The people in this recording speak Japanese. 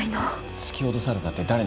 突き落とされたって誰に？